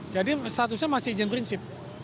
jadi statusnya masih izin prinsip